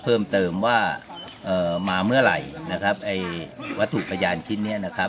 เพิ่มเติมว่ามาเมื่อไหร่วัตถุประหยานชิ้นนี้